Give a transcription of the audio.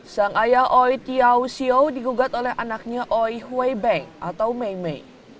sang ayah oi tiaw siow digugat oleh anaknya oi huey beng atau mei mei